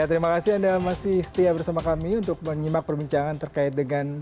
terima kasih anda masih setia bersama kami untuk menyimak perbincangan terkait dengan